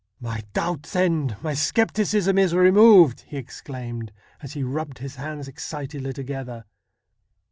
' My doubts end ; my scepticism is removed,' he exclaimed, as he rubbed his hands excitedly together.